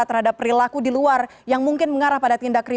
terhadap perilaku di luar yang mungkin mengarah pada tindakan